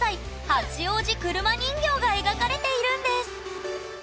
八王子車人形が描かれているんです。